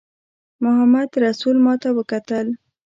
محمدرسول ماته وکتل.